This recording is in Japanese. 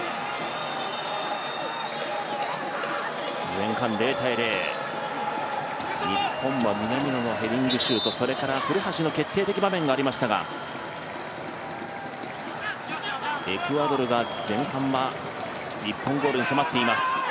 前半０−０、日本は南野のヘディングシュートそれから古橋の決定的場面がありましたが、エクアドルが前半は日本ゴールに迫っています。